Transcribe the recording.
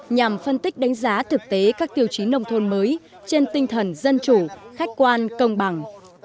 nhằm phân tích đánh giá thực tế các tiêu chí nông thôn mới trên tinh thần dân chủ khách quan công bằng